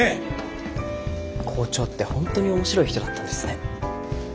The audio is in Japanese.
校長って本当に面白い人だったんですね。